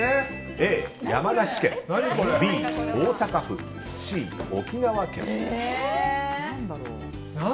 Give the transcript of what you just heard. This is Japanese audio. Ａ、山梨県Ｂ、大阪府Ｃ、沖縄県。